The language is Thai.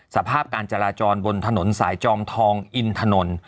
สภาพการจราจรบนถนนสายจอมทองอินถนน